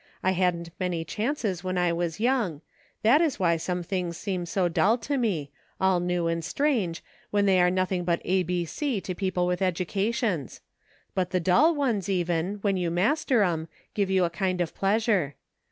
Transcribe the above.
I hadn't many chances when I was young ; that is why some things seem so dull to me — all new and strange, when they are nothing but a b c to people with educations ; but the dull ones even, when you master 'em, give you a kind of pleasure.